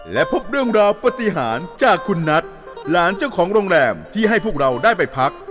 และพบเรื่องราวปฏิหารจากคุณนัทหลานเจ้าของโรงแรมที่ให้พวกเราได้ไปพัก